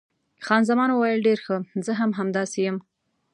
خان زمان وویل، ډېر ښه، زه هم همداسې یم.